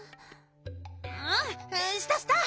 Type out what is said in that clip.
うんしたした！